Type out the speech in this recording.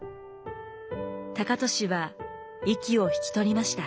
高利は息を引き取りました。